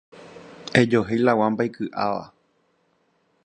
Ejohéi la guampa iky'áva.